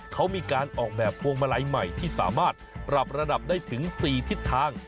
เขามีการออกแบบพวงมาลัยใหม่ที่สามารถปรับระดับได้ถึง๔ทิศทาง